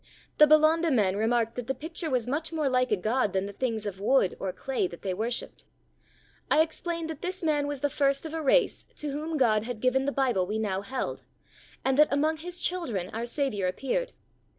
The Balonda men remarked that the picture was much more like a god than the things of wood or clay they wor shiped. I explained that this man was the first of a race to whom God had given the Bible we now held, and that among his children our Saviour appeared.